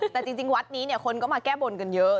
แต่จริงวัดนี้คนก็มาแก้บนกันเยอะ